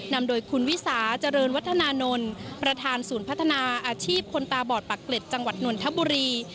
นำโดยคุณวิสาเจริญวัฒนานนท์ประธานศูนย์พัฒนาอาชีพคนตาบอดปากเกร็ดจังหวัดนนทบุรี